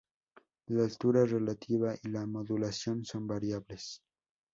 La altura relativa y la modulación son variables.